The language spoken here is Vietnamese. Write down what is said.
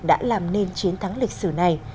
đã làm nên chiến thắng lịch sử này